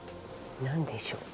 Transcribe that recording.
何でしょう？